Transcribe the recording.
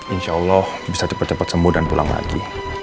insya allah bisa cepet cepet sembuh dan pulang lagi